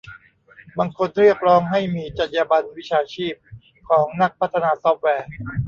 บางคนเรียกร้องให้มีจรรยาบรรณวิชาชีพของนักพัฒนาซอฟต์แวร์